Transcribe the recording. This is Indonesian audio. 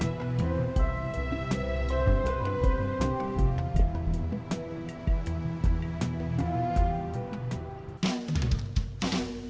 aku mau ke tempat yang lebih baik